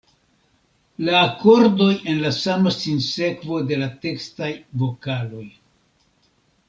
La akordoj en la sama sinsekvo de la tekstaj vokaloj.